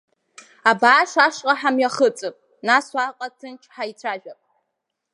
Абааш ашҟа ҳамҩахыҵып, нас уаҟа ҭынч ҳаицәажәап.